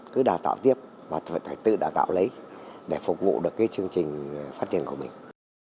cứ đào tạo tiếp và phải tự đào tạo lấy để phục vụ được cái chương trình phát triển của mình